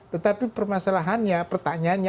tetapi permasalahannya pertanyaannya